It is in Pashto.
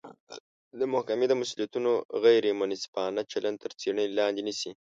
د محکمې د مسوولینو غیر منصفانه چلند تر څیړنې لاندې نیسي